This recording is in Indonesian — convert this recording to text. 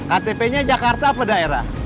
ktp nya jakarta apa daerah